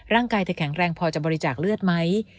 ร่างกายเธอแข็งแรงพอจะบริจาคเลือดไหม